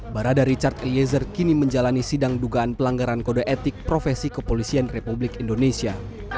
barada richard eliezer kini menjalani sidang dugaan pelanggaran kode etik profesi kepolisian republik indonesia